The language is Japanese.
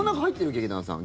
劇団さん。